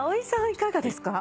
いかがですか？